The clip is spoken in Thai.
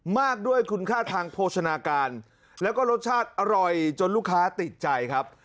มากด้วยคุณค่าทางโภชนาการแล้วก็รสชาติอร่อยจนลูกค้าติดใจครับ